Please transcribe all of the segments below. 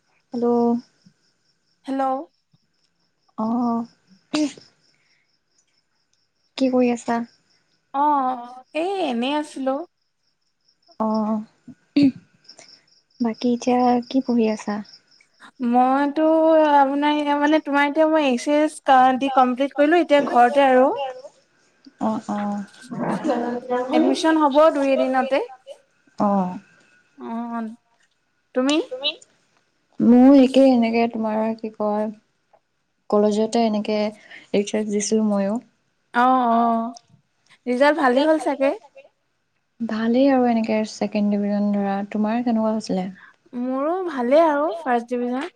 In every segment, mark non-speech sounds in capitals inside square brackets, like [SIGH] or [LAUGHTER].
Hello hello. অহ। [INAUDIBLE] কি কৰি আছা? অ', এই এনেই আছিলো। অ', বাকী এতিয়া কি পঢ়ি আছা? মইতো তোমাৰ মানে এচি এছ কান্দি কমপ্লিট কৰিলো এতিয়া ঘৰতে আৰু, অ অ এডমিশন হব দুই এদিনতে, অ অ। তুমি? মোৰ একে এনেকে তোমাৰ কি কয়। কলেজতে এনেকে আইটছ এছ দিছিলো ময়ো। অ অ ৰিজাল্ট ভালেই হ'ল চাগে? ভালেই আৰু এনেকে ছেকেড ডিভিজন ধৰা তোমাৰ কেনেকুৱা হৈছিলে? মোৰো ভাল ভালেই আৰু ফাৰ্ষ্ট ডিভিজন।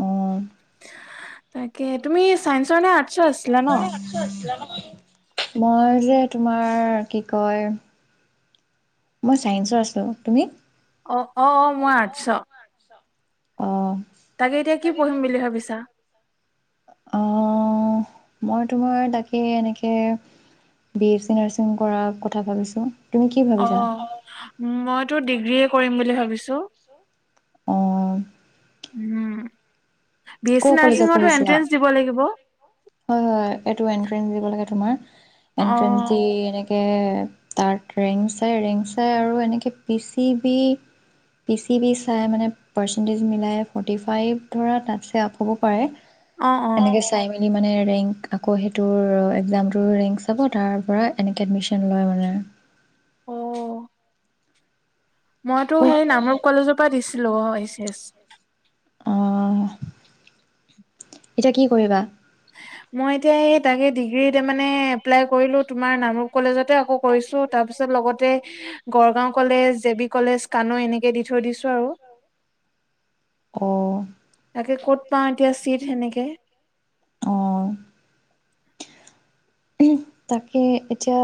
অ। তাকে তুমি চাইেন্সৰ নে আৰ্টছৰ আছিলা ন? মই যে তোমাৰ কি কয় মই চাইন্সৰ আছো তুমি? অ', অ', মই আাতছৰ। অ। তাকে এতিয়া কি পঢ়িম বুলি ভাবিছা? অ', মই তোমাৰ তাকে এনেকে বি এফ চি নাৰ্ছিং কৰাৰ কথা ভাবিছোঁ। তুমি কি ভাবিছা অ', মইতো ডিগ্ৰী কৰিম বুলি ভাবিছো। অ উম। বি এছ চি কৰ কলেজত নাৰ্ছিঙতো পঢ়িছিলা? এন্ট্ৰেন্স দিব লাগিব হয় হয় এইটো এনট্ৰেঞ্চ দিব লাগে তোমাৰ অ এন্টেঞ্চ দি এ তাত ৰেংক চাই ৰেংক চাই আৰু এনেকে P C B P C B চাই মানে পাৰ্চেন্টেজ মিলাই ফৰ্টি ফাইভ ধৰা তাত চেয়াপ হ'ব পাৰে অ অ এনেকে চাই ম ৰেংক আকৌ সেইটোৰ এক্সামটোৰ ৰেংক চাব, তাৰ পৰা এনেকে এডমিছন লয় মানে আৰু। অ। মইতো সেই নামৰূপ কলেজৰ পৰা দিছিলো এইচ এচ। অ', এতিয়া কি কৰিবা? মই এতিয়া এই তাকে ডিগ্ৰী এতিয়া মানে এপ্লাই কৰিলো তোমাৰ নামৰূপ কলেজতে আকৌ কৰিছোঁ, তাৰ পিছত লগতে Gargaon college, J B college, Kanoi এনেকৈ দি থৈ দিছোঁ আৰু। অ' তাকে ক'ত পাওঁ এতিয়া চিট সেনেকে কি অ'। ওহ, তাকে এতিয়া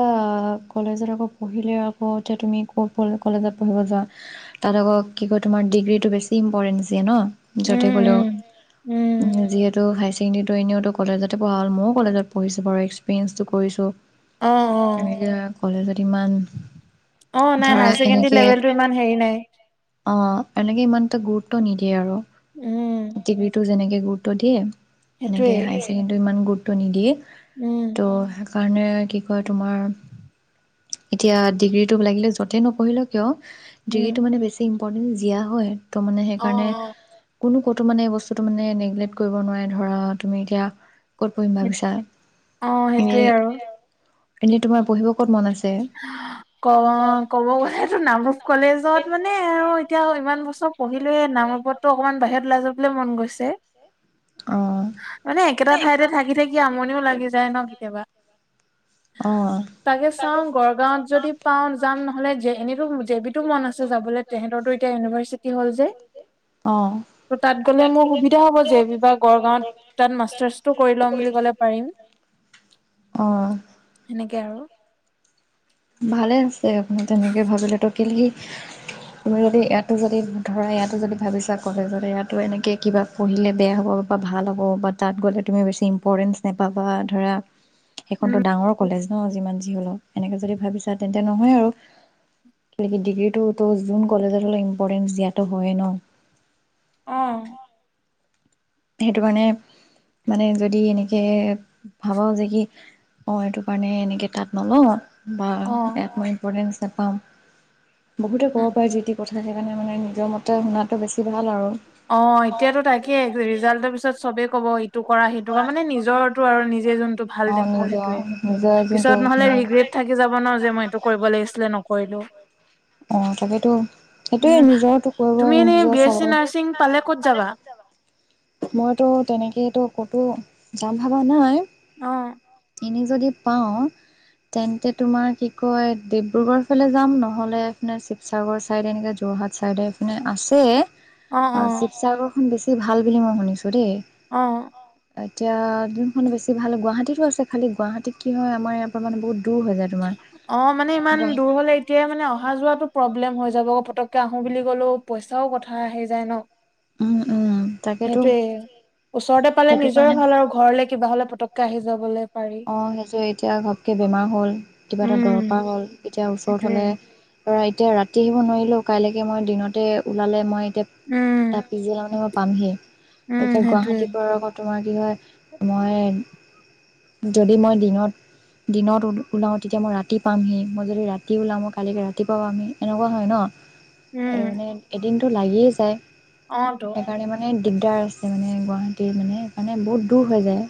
কলেজত আকৌ পঢ়িলে আকৌ এতিয়া তুমি কপ কলেজত পঢ়িব যোৱা, তাত আকৌ কি কয় তোমাৰ ডিগ্ৰীটো বেছি ইম্পৰ্টেঞ্চ দিয়ে ন? য'তে উম গ'লেও। উম উম উ যিহেতু হাইচ এনেওতো এনেওতো কলেজতে পঢ়া হ'ল, মও কলেজত পঢ়িছোঁ বাৰু এক্স [UNINTELLIGIBLE] কৰিছোঁ। অ অ কলেজ ইমান! অ নাই ধৰা হায়াৰ ছেকেণ্ডৰী এনেকে, লেভেলটো ইমান হেৰি নাই অ' এনেকে ইমান এটা গুৰুত টো নিদিয়ে আৰু। উম ডিগ্ৰীটো যেনেকে গুৰুত্ব দিয়ে সেইটোৱে এনেকে হাই ছেকেণটো ইমান গুত টো নিদিয়ে। উম ত' কাৰণে কি কয় তোমাৰ, এতিয়া ডিগ্ৰীটো লাগিলে য'তেই নপঢ়িলো কিয় উম ডিগ্ৰী টো মানে বেছি [UNINTELLIGIBLE] জীয়া হয়। ত মানে অ সেইকাৰণে কোনো ক'তো মানে বস্তুটো মানে নেগলেক্ট কৰিব নোৱাৰে ধৰা, ‌তুমি এতিয়া ক'ত পঢ়িম ভাৱিছা? অ অ সেইটোৱে আৰু [UNINTELLIGIBLE] এনে তোমাৰ পঢ়িব ক'ত মন আছে? ক'ব, ক'ব গলে এই নামৰূপ কলেজত মানে আৰু এতিয়া ইমান বছৰ পঢ়িলোৱে নামৰূপততো অকমান বাহিৰত ওলাই যাবলৈ মন গৈছে। অঁ মানে একেটা ঠাইতে থাকি থাকি আমনিও লাগি যায় ন [UNINTELLIGIBLE] তাকে চাওঁ অ'। গড়গাঁৱত যদি পাওঁ যাম, নহ'লে জে এনেতো জে, বি টো মন আছে যাবলৈ তেহেঁতৰতো এতিয়া ইউনিভাৰ্চিটি হ'ল যে, অঁ ত' তাত গ'লে মোৰ সুবিধা হ'ব জে, বি বা গড়গাঁৱত তাত মাষ্টাৰ্চটো কৰি ল'ম বুলি ক'লে পাৰিম। অঁ সেনেকে আৰু। ভালে আছ এ আপুনি তেনেকে ভাবিলেতো কেলে, তুমি যদি ইয়াতো যদি ধৰা ইয়াতো যদি ভাৱিছা কলেজত ইয়াতো এনেকৈ কিবা পঢ়িলে বেয়া হ'ব, বা ভাল হ'ব, বা তাত গ'লে তুমি বেছি ইম্প'ৰ্টেঞ্চ নাপাবা, ধৰা সেখনতো উম ডাঙৰ কলেজ! অ, যিমান যি হ'লেও। এনেকে যদি ভাৱিছা, তেন্তে নহয় আৰু। [UNINTELLIGIBLE] ডিগ্ৰীটো তো জোন কলেজত হ'লেও ইম্পৰ্টেণ্চ দিয়াটো হয়েই ন? অ সেইটো কাৰণে মানে যদি এনেকে ভাবাও যে কি অ এইটো কাৰণে এনেকে তাত নলওঁ বা অ একো ইম্পৰ্টেণ্ট নাপাম বহুতে উ ক'ব পাৰে যিতি কথা থাকি মানে মানে নিজৰ মতে শুনাটো বেছি ভাল আৰু অ এতিয়াতো তাকে ৰিজাল্টৰ পিছত ত চবে ক'ব টো কৰা সেইটো কৰা মানে নিজৰটো আৰু নিজে যোনটো ভাল অ দেখো নিজৰ সেইটোয়ে নিজৰ যোনটো পিছত নহ'লে মানে ৰিগ্ৰেট থাকি যাব ন যে মই এইটো কৰিব লাগিছিলে নকো কৰিলোঁ অ', তাকেইতো সেইটোয়ে নিজৰ কৰিব তুমি এনে নিজৰ বি এছ চি চাবৰে নাৰ্ছিং পালে ক'ত যাবা। মইতো তেনেকেই ক'তো যাম ভাবা নাই? অহ এনেই যদি পাওঁ তেন্তে তোমাৰ কি কয় ডিব্ৰুগড়ৰ ফালে যাম নহ'লে, এইপিনে শিৱসাগৰ ছাইডে এনেকৈ যোৰহাট ছাইডে এইপিনে আছে অ', শিৱসাগৰ বেছি ভাল। বুলি মই শুনিছো কৰে অ এতিয়া জোনখনো বেছি ভাল গুৱাহাটীতো আছে খালি গুৱাহাটীত কি হয় আমাৰ ইয়াৰ পৰা মানে বহুত দূৰ হৈ যায় তোমাৰ। অ', মানে ইমান গুৱা দূৰ হলে এতিয়াই মানে অহা যোৱাটোত প্ৰব্লেম হৈ যাব আকৌ পতককে আহো বুলি ক'লেও পইচাও কথা আহি যায় ন। উম, উম, তাকেতো সেইটোয়ে ওচৰতে পালে সেইটো নিজৰে কাৰণে ভাল আৰু ঘৰলে কিবা হলে পতককে আহি যাবলৈ পাৰি অ', সেইটো এতিয়া ঘপকে বেমাৰ হ'ল। কিবা এটা উম দৰকাৰ হ'ল এতিয়া ওচৰত সেইটোয়ে হ'লে পৰা এতিয়া ৰাতি আহিব নোৱাৰিলো, কাইলৈকে মই দিনতে ওলালে মই তেতিয়া উম ত পিছবেলা মানে মই পামহি। উম এতিয়া সেইটোয়ে গুৱাহাটী পৰাত তোমাৰ কি হয় মই? যদি মই দিনত দিনত ওলাওঁ, তেতিয়া মই ৰাতি পামহি মই যদি ৰাতি ওলাওঁ, মই কালিকৈ ৰাতিপোৱা পামহি এনেকুৱা হয় ন। উম এ মানে এদিন টো লাগিয়ে যায়। অ তো সেইকাৰণে মানে দিগদাৰ আছে মানে গুৱাহাটীৰ মানে সেইকাৰণে বহুত দূৰ হৈ যায়।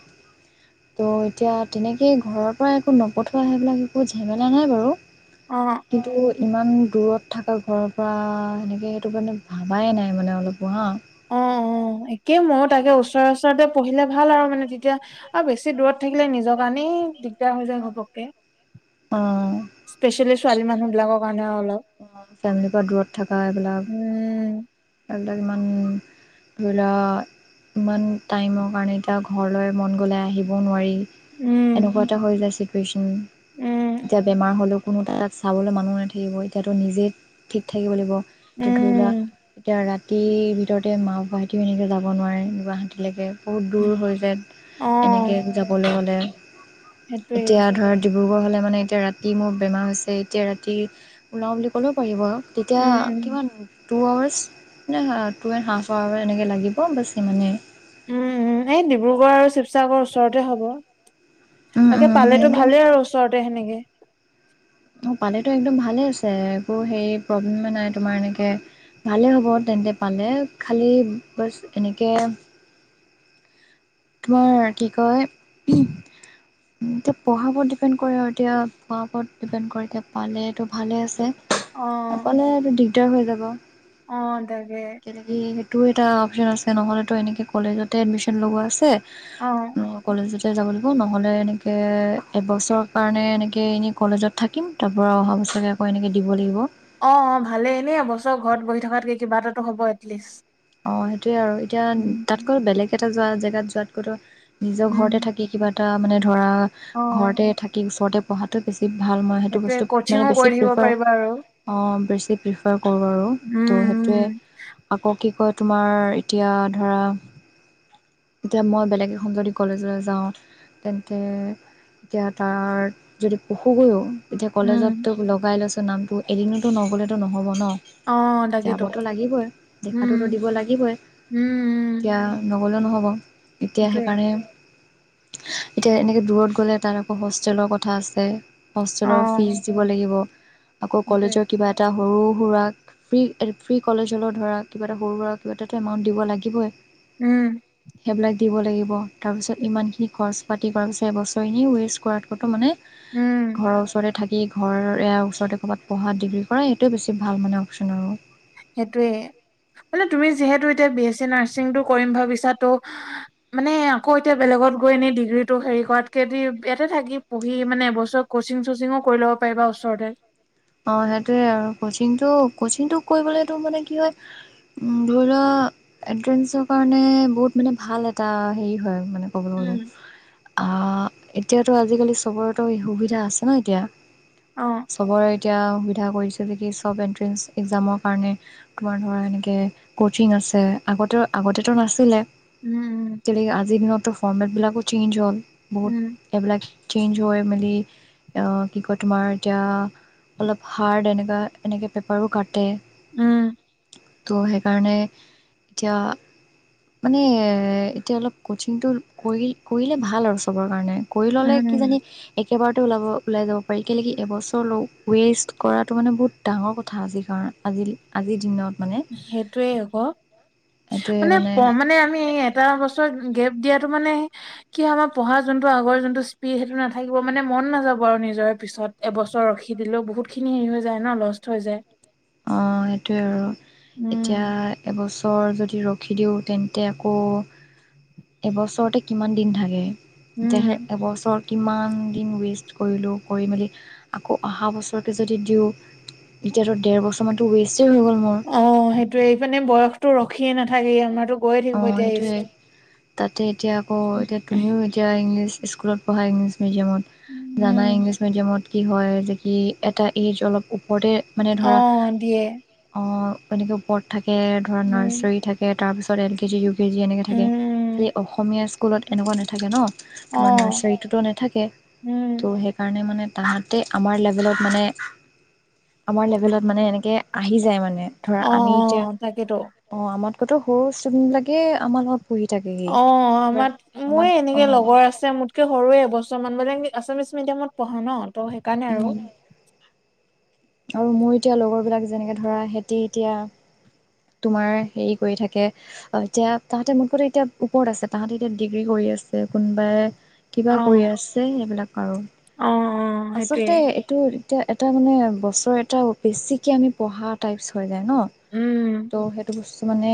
ত' এতিয়া তেনেকেই ঘৰৰ পৰা একো নপঠোৱা সেইবিলাক একো ঝেমেলা নাই বাৰু। অ কিন্তু ইমান দূৰত থকা ঘৰৰ পৰা সেনেকে, সেইটো মানে ভাবাই নাই মানে অলপ পহা অ', -অ', একেই ময় তাকে ওচৰে ওচৰতে পঢ়িলে ভাল আৰু মানে তেতিয়া আৰু বেছি দূৰত থাকিলে নিজৰ কাৰণেই দিগদাৰ হৈ যায় ঘপককে অ', স্পেচিয়েলি ছোৱালী মানুহ বিলাকৰ কাৰণে আৰু অলপ ফেমিলিৰ পৰা দূৰত থকা এইবিলাক উম এইবিলাক ইমান ধৰি লোৱা ইমান, টাইমৰ কাৰণে এতিয়া ঘৰলৈ মন গ'লে আহিবও নোৱাৰি। উম এনেকুৱা এটা হৈ যায় চ ওম উম এতিয়া বেমাৰ হ'লেও, কোনো এ তাত চাবলৈ মানুহ নাথাকিব এতিয়াতো নিজেই ঠিক থাকিব লাগিব। এতিয়া ধৰি লোৱা উম এতিয়া ৰাতি। ৰাতিৰ ভিতৰতে মা বাবা হতি এনেকৈ যাব নোৱাৰে গুৱাহাটীলৈকে বহুত দূৰ হৈ যায় অ এনেকৈ যাবলৈ হ'লে সেইটোৱে এতিয়া ধৰা। ডিব্ৰুগড় হ'লে মানে এতিয়া ৰাতি মোৰ বেমাৰ হৈছে এতিয়া ৰাতি ওলাওঁ বুলি ক'লে পাৰিব। তেতিয়া উম কিমান হ'ল। টু আৱাৰ্চ মানে টু এণ্ড হাফ আৱাৰ এনেকৈ লাগিব বছ সিমানেই। উম উম এই ডিব্ৰুগড় আৰু শিৱসাগৰৰ ওচৰতে হব। তাকে উম উম পালেতো ভালেই আৰু ওচৰতে সেনেকে। অঁ পালেতো একদম ভালে আছে একো হে প্ৰব্লেমে নাই তোমাৰ এনেকে ভালেই হ'ব তেন্তে পালে খালী বছ এনেকে তোমাৰ কি কয় এতিয়া পঢ়াৰ ওপৰত ডিপেণ্ড কৰে আৰু এতিয়া পঢ়াৰ ওপৰত ডিপেণ্ড কৰে এতিয়া পালেটো ভালে আছে। অ নাপালেটো আৰু দিগ। তৈ হৈ যাব। অ তাকে। এইটো এটা অপচন আছে নহ'লেতো এনেকে কলেজতে এডমিচন লগোৱা আছে। অ অঁ কলেজত। যাব লাগিব নহ'লে এনেকৈ এবছৰৰ কাৰণে এনেকৈ এনেই কলেজত থাকিম তাৰপৰা অহা বছৰকৈ আকৌ এনেকৈ দিব লাগিব। অ অ ভালেই এনেই এ বছৰ ঘৰত বহি থকাতকে কিবা এটাত টো হ'ব এটলিষ্ট। অ সেইটোয়ে আৰু এতিয়া উম, তাতকৈ বেলেগ এ যোৱা জেগাত যোৱাতকৈ নিজৰ উম, ঘৰতে থাকি কিবা। তাৰ মানে। ধৰা অ, ঘৰতে থাকি ওচৰতে। পঢ়াটো বেছি। ভাল হয় উম সেইটো সেইটোয়ে বস্তু মানে কচিঙো অঁ কৰি থাকিব পাৰিবা আৰু। বেছি প্ৰিফাৰ কৰো আৰু উম, ত সেইটো উম, আকৌ কি কয় তোমাৰ এতিয়া ধৰা এতিয়া মই বেলেগ এখন যদি কলেজলৈ যাওঁ তেন্তে এতিয়া তাত যদি পঢ়োগৈও এতিয়া উম, কলেজত তো লগাই লৈছো নামটো এদিনতো নগ'লেতো নহ'ব ন অ তাকেতো যাবতো লাগিবই উম দেখাটোতো দিব লাগিবই উম, উম, এতিয়া ন গলেও নহ'ব এতিয়া সেইটোয়ে সেইকাৰণে এতিয়া এনেকৈ দূৰত গ'লে তাত আকৌ হষ্টেলৰ কথা আছে অ, হষ্টেলৰ ফিচ দিব লাগিব আকৌ সেইটোয়ে কলেজৰ কিবা এটা সৰু সুৰাক ফ্ৰী ফ্ৰী কলেজলৈ ধৰাক কিবা এ সৰু সুৰাক কিবা এটা এমাউণ্ট দিব লাগিবই উম সেইবিলাক দিব লাগিব তাৰপিছত ইমানখিনি খৰচ পাতি কৰাৰ পিছত এবছৰ এনেই ৱেষ্ট কৰাতকৈতো মানে উম, ঘৰৰ ওচৰতে থাক কি ঘৰৰে ইয়াৰ ওচৰতে ক'ৰবাত পঢ়া ডিগ্ৰী কৰা সেইটোৱে বেছি ভাল মানে অপচন আৰু সেইটোৱে মানে তুমি যিহেতু এতিয়া বি এছ চি নাৰ্ছিংটো কৰিম ভাবিছা ত মানে আকৌ এতিয়া বেলেগত গৈ এনেই ডিগ্ৰীটো হেৰি কৰাতকে অতি ইয়াতে থাকি পঢ়ি মানে এবছৰ কচিং চচিঙো কৰি ল'ব পাৰিবা ওচৰতে অ সেইটোৱে আও কচিংটো কচিংটো কৰিবলৈতো মানে কি হয় ধৰি লোৱা এণ্ট্ৰেন্স কাৰণে বহুত মানে ভাল এটা সেই হয় মানে। কবলে গ'লে। উম, আহ এতিয়াতো আজিকালি চবৰেতো সুবিধা আছে ন এতিয়া। অ, চবৰেত এতিয়া সুবিধা কৰিছে যে কি চব এণ্ট্ৰেন্স এগজামৰ কাৰণে তোমাৰ ধৰা এনেকে ক'চিং আছে, আগতে আগতেতো নাছিলে। উম, তেনেকে আজিৰ দিনত তো ফৰ্মেতবিলাকো চেঞ্জ হ'ল। বহুত উম, এবিলাক চেঞ্জ হৈ মেলি আ কি কয় তোমাৰ এতিয়া অলপ হাৰ্ড এনেকুৱা এনেকৈ পেপাৰো কাটে। উ। ত সেইকাৰণে এতিয়া মানে এতিয়া অলপ কচিংটো কৰি কৰিলে ভাল আৰু চবৰ কাৰণে। কৰি উম, ল'লে উম, কিজানি এক- কেইবাৰতো ওলাব ওলাই যাব পাৰি কেলেকি এবছৰ লওঁ ৱেষ্ট কৰাটো মানে বহুত ডাঙৰ কথা আজিৰ কাৰণ আজি আজিৰ দিনত মানে সেইটোয়ে আকৌ মানে মানে আমি এটা বস্তু গেপ দিয়াতটো মানে কি আমাৰ পঢ়া যোনটো আগৰ যোনটো স্পীড সেইটো নাথাকিব মানে মন নাযাব আৰু নিজৰে পিছত এবছৰ ৰখি দিলেও বহুত খিনি হেৰি হৈ যায় ন লষ্ট হৈ যায় অঁ সেইটোৱে আৰু এতিয়া উম। এবছৰ বছৰ যদি ৰৈ দিওঁ তেন্তে আকৌ এবছৰতে কিমান দিন থাকে যে উম। এবছৰ কিমান দিন ৱেষ্ট কৰিলো কৰি মেলি আকৌ অহা বছৰত যদি দিওঁ তেতিয়াটো ডেৰ বছৰ টো ৱেষ্ট অঁ সেইটোৱে এইপিনে বয়স ৰৈয়ে নাথাকেই আমাৰো অঁ সেইটোৱে তাতে এতিয়া আকৌ এতিয়া তুমিও এতিয়া ইংলিছ স্কুলত পঢ়াই মিডিয়ামত জানা উম ইংলিছ মিডিয়ামত কি হয় যে কি এটা এই এইজ অলপ ওপৰতে মানে অ ধৰা দিয়ে। অঁ এনেকৈ ওপৰত থাকে তাকে ধৰা উম নাৰ্চাৰী থাকে তাৰ পাছত এল কে জি এনেকৈ উম থাকে উম, খালি অসমীয়া স্কুলত এনেকুৱা‌ নাথাকে ন অ তোমাৰ নাৰ্চাৰীটোতো নাথাকে ত উম সেইকাৰণে মানে তাহাঁতে আমাৰ লেভেলত মানে আমাৰ লেভেলত মানে এনেকৈ আহি যায় মানে ধৰা অঁ আমি এতিয়া অঁ তাকেতো অঁ আমাৰ কৈ সৰু ইছতুদেনট বিলাগে আমাৰ লগত পঢ়ি থাকেহি অঁ ধৰা আমাৰ আমাৰ মোৰ এনেকৈ অঁ লগৰ আছে মোৰকৈ সৰুৱে এবছৰ মান বোলে আছামিছ মিডিয়ামত পঢ়া ন ত' সেইকাৰণে উম, আৰু আৰু মোৰ এতিয়া লগৰ বিলাক যেনেকৈ ধৰা সিহঁতি এতিয়া তোমাৰ হেৰি কৰি থাকে এতিয়া তাহাঁতে মোৰ কতো এতিয়া ওপৰত আছে তাহাঁতে এতিয়া ডিগ্ৰী কৰি আছে কোনোবাই কিবা অ কৰি আছে এইবিলাক আৰু অ অ সেইটোয়ে আচলতে এইটো এতিয়া এটা মানে বছৰ এটা বেছিকে আমি পঢ়া টাইপছ হয় যাই ন ত' সেইটো বস্তু মানে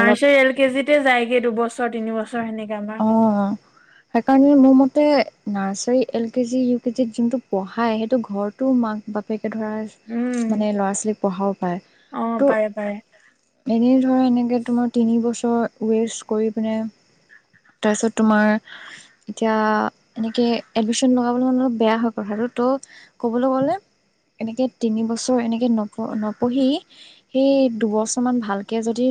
অলপ এল কেজিতে যায়গে দুবছ- ক তিনিৱছ চৰ সেনেকে আমাৰ সেই কাৰণে মোৰ মতে নাৰ্চাৰী, এল কেজি ইউ কেজিত যোনটো পঢ়াই সেইটো ঘৰতো মাক বাপেক ধৰাচ উম মানে ল'ৰা ছোৱালীক পঢ়াও পায় অ পাৰে পাৰে ত' [UNINTELLIGIBLE] ধৰ এনেকে তোমাৰ তিনি বছ চ ৱেষ্ট কৰি পিনে তাৰপিছত তোমাৰ এতিয়া এনেকে এডমিশ্যন লগাবলৈ মানে অলপ বেয়া হৈ কথাতো ত কবলৈ গলে এনেকে তিন বছৰ এনেকে নপ নপঢ়ি সেই দুবছৰ মান ভালকে যদি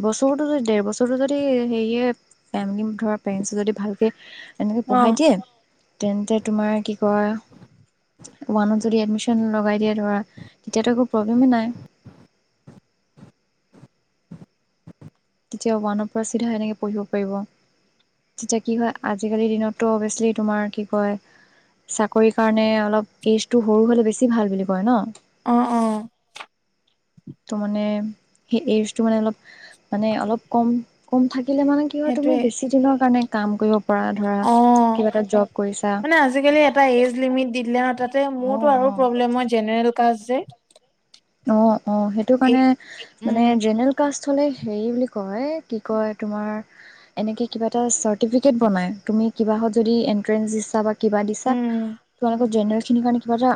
এবছৰতো যদি ডেৰ‌ বছৰতো যদি হেৰিয়ে পেণ্ডিং ধৰা পেঞ্চ যদি ভালকে এনেকে অ পঢ়াই দিয়ে তেন্তে তোমাৰ কি কয় ওৱানত যদি এডমিশ্যন লগাই দিয়ে ধৰা তেতিয়াতো একো প্ৰব্লেমেই নাই তেতিয়া ওৱানৰ পৰা চিধা এনেকে পঢ়িব পাৰিব তেতিয়া কি হয় আজিকালিৰ দিনততো অভিয়াচলি তোমাৰ কি কয় চাকৰি কাৰণে অলপ এইজটো সৰু হলে বেছি ভাল বুলি কয় ন অহ অহ ত' মানে সেই এইজটো মানে অলপ মানে অলপ কম কম থাক কিলে মানে কি হয় তুমি সেইটোৱে বেছি দিনৰ কাৰণে কাম কৰিব পৰা ধৰা অ কিবা এটা জব কৰিছা মানে আজিকালি এটা এজ লিমিট দি দিলে তাতে অ মোৰতো আৰু প্ৰব্লেম মোৰ জেনেৰেল কাষ্ট যে। অ। অ সেইটো এই কাৰণে মানে উম জেনেৰেল কাষ্ট। চলে সেই বুলি কয় কি কয় তোমাৰ এনেকে কিবা এটা চাৰ্ট- টিফিকেট বনাই। তুমি কিবাহত যদি এন্ট্ৰেন্স দিছা বা কিবা দিছা উম তোমালোকৰ জেনেৰেল খিনি কাৰণে কিবা এটা,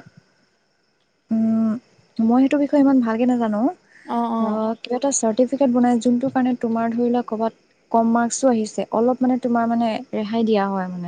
উ মই সেইটো বিষয়ে ইমান ভালকে নাজানো। অ কিবা এটা চাৰ্টিফি ফিকেত বনায়। যোনটো কানে তোমাৰ ধৰি লোৱা কৰবাত কম মাৰ্ক্সো আহিছে অলপ মানে তোমাৰ মানে ৰেহাই দিয়া হয় মানে।